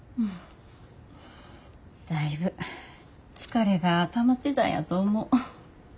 だいぶ疲れがたまってたんやと思う。